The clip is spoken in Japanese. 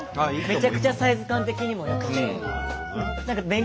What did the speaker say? めちゃくちゃサイズ感的にも良くて。